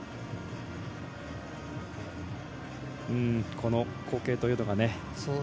この光景というのがね。